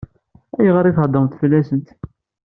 Ayɣer i theddṛemt fell-asent?